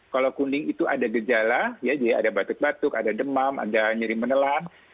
kalau kuning itu ada gejala ya jadi ada batuk batuk ada demam ada nyeri menelan